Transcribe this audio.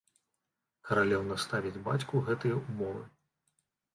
Каралеўна ставіць бацьку гэтыя ўмовы.